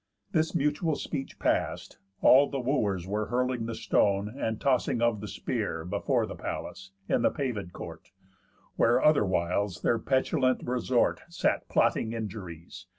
This mutual speech past, all the Wooers were Hurling the stone, and tossing of the spear, Before the palace, in the pavéd court, Where otherwhiles their petulant resort Sat plotting injuries.